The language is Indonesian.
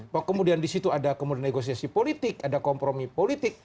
bahwa kemudian di situ ada kemudian negosiasi politik ada kompromi politik